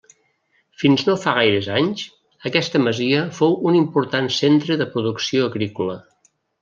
Fins no fa gaires anys, aquesta masia fou un important centre de producció agrícola.